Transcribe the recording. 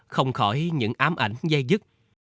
không khỏi những ám ảnh dây dứt